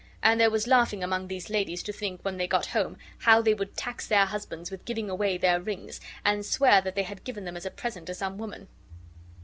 And there was laughing among these ladies to think, when they got home, how they would tax their husbands with giving away their rings and swear that they had given them as a present to some woman.